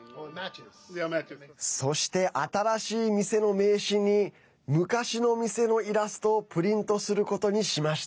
そして、新しい店の名刺に昔の店のイラストをプリントすることにしました。